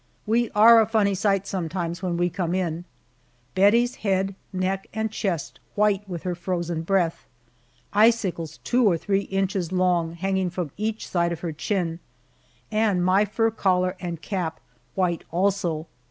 We are a funny sight sometimes when we come in Bettie's head, neck, and chest white with her frozen breath, icicles two or three inches long hanging from each side of her chin, and my fur collar and cap white also.